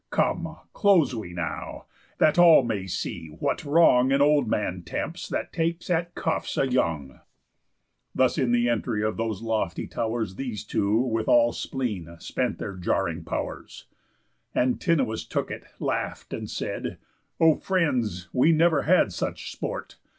Come, close we now, that all may see what wrong An old man tempts that takes at cuffs a young." Thus in the entry of those lofty tow'rs These two, with all spleen, spent their jarring pow'rs. Antinous took it, laugh'd, and said: "O friends, We never had such sport!